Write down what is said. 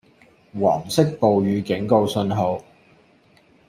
黃色暴雨警告信號